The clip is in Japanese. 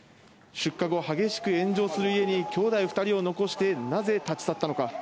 出火後、激しく炎上する家に兄弟２人を残してなぜ立ち去ったのか。